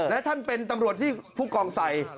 และท่านเป็นตำรวจที่ผู้กองใส่